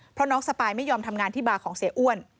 เพราะน้องสปายไม่ยอมทำงานที่บาร์ของเสียอ้วน